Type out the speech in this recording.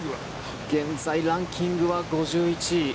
現在ランキングは５１位。